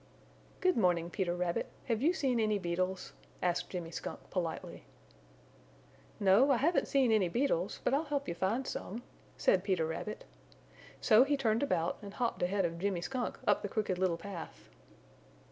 "Good morning, Peter Rabbit. Have you seen any beetles?" asked Jimmy Skunk, politely. "No, I haven't seen any beetles, but I'll help you find some," said Peter Rabbit. So he turned about and hopped ahead of Jimmy Skunk up the Crooked Little Path.